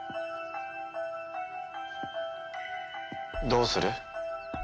どうする？